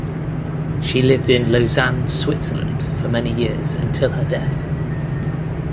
She lived in Lausanne, Switzerland, for many years until her death.